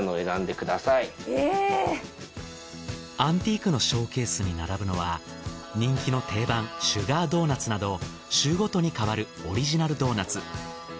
アンティークのショーケースに並ぶのは人気の定番シュガードーナツなど週ごとに変わるオリジナルドーナツ。